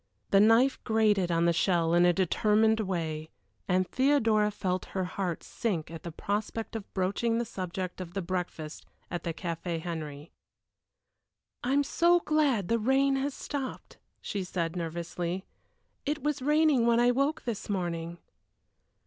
The knife grated on the shell in a determined way, and Theodora felt her heart sink at the prospect of broaching the subject of the breakfast at the Café Henry. "I am so glad the rain has stopped," she said, nervously. "It was raining when I woke this morning."